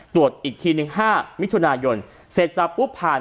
ตรวจอีกทีนึง๕มิถุนายน